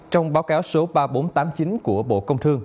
trong báo cáo số ba nghìn bốn trăm tám mươi chín của bộ công thương